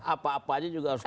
apa apa aja juga harus